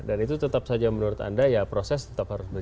itu tetap saja menurut anda ya proses tetap harus berjalan